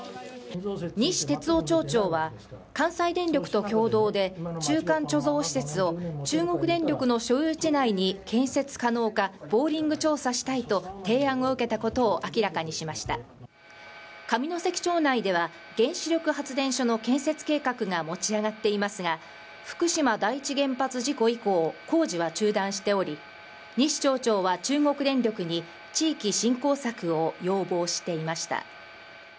西哲夫町長は関西電力と共同で中間貯蔵施設を中国電力の所有地内に建設可能かボーリング調査したいと提案を受けたことを明らかにしました上関町内では原子力発電所の建設計画が持ち上がっていますが福島第一原発事故以降、工事は中断しており西町長は中国電力に地域振興策を要望していました